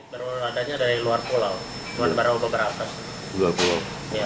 keluarga bagian bagiannya berasal dari dua puluh pulau